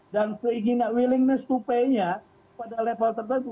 dan keinginan willingness to pay nya pada level tertentu